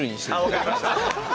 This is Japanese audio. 分かりました。